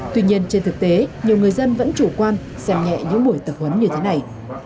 tuy nhiên trên thực tế nhiều người dân vẫn chủ quan xem nhẹ những buổi tập huấn như thế này